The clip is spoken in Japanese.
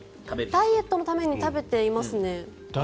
ダイエットのために食べていますね。